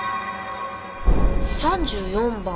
３４番。